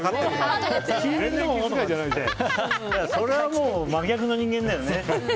それはもう真逆の人間だよね。